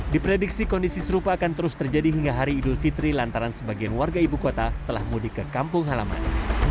diprediksi kondisi serupa akan terus terjadi hingga hari idul fitri lantaran sebagian warga ibu kota telah mudik ke kampung halaman